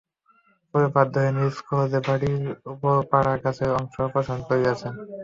পরে বাধ্য হয়ে নিজ খরচে বাড়ির ওপর পড়া গাছের অংশ অপসারণ করিয়েছেন।